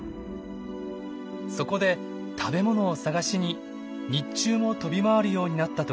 そこで食べ物を探しに日中も飛び回るようになったといいます。